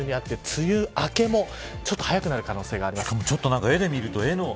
梅雨明けもちょっと早くなる可能性もあります。